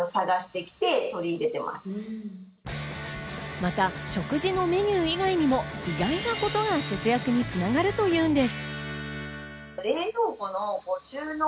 また食事のメニュー以外にも意外なことが節約に繋がるというんです。